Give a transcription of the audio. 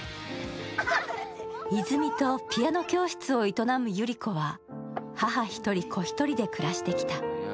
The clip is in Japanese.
泉とピアノ教室を営む百合子は、母ひとり子ひとりで暮らしてきた。